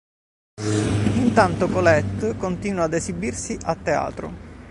Intanto Colette continua ad esibirsi a teatro.